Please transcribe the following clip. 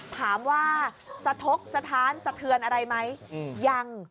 ถามว่าสะทกสถานสะเทือนอะไรไหมยัง